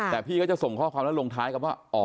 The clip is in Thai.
แต่พี่ก็จะส่งข้อความแล้วลงท้ายกับว่า